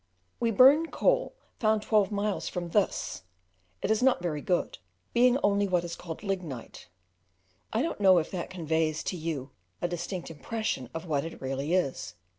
We burn coal found twelve miles from this; it is not very good, being only what is called "lignite." I don't know if that conveys to you a distinct impression of what it really is.